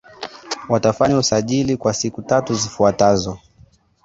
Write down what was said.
Watafanya usajili kwa siku tatu zifuatazo